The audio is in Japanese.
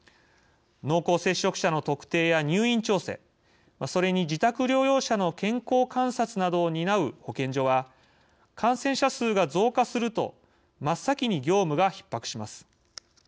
濃厚接触者の特定や入院調整それに自宅療養者の健康観察などを担う保健所は感染者数が増加すると真っ先に業務がひっ迫します。